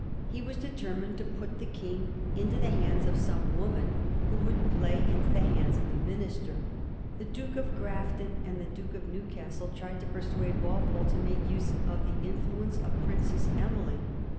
He was determined to put the King into the hands of some woman who would play into the hands of the minister. The Duke of Grafton and the Duke of Newcastle tried to persuade Walpole to make use of the influence of the Princess Emily.